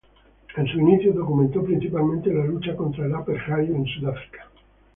En sus inicios documentó principalmente la lucha contra el apartheid en Sudáfrica.